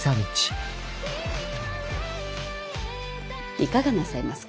いかがなさいますか。